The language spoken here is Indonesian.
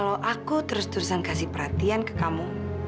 kalau aku terus terusan kasih perhatian ke kamu